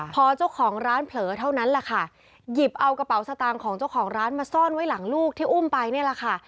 พอเจ้าของร้านเผลอเท่านั้นแหละค่ะหยิบเอากระเป๋าสตางค์ของเจ้าของร้านมาซ่อนไว้หลังลูกที่อุ้มไปนี่แหละค่ะ